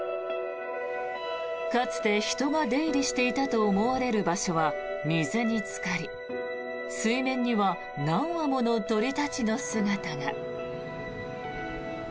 かつて人が出入りしていたと思われる場所は水につかり水面には何羽もの鳥たちの姿が。